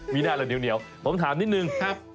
วินาล่ะเนี๋ยวผมถามนิดหนึ่ง